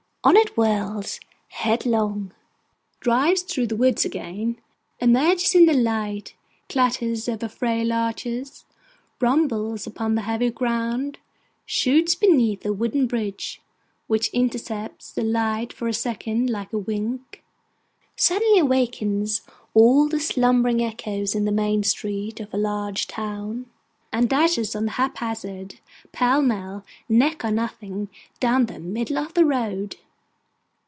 On it whirls headlong, dives through the woods again, emerges in the light, clatters over frail arches, rumbles upon the heavy ground, shoots beneath a wooden bridge which intercepts the light for a second like a wink, suddenly awakens all the slumbering echoes in the main street of a large town, and dashes on haphazard, pell mell, neck or nothing, down the middle of the road.